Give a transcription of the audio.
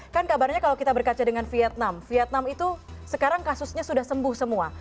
kan kabarnya kalau kita berkaca dengan vietnam vietnam itu sekarang kasusnya sudah sembuh semua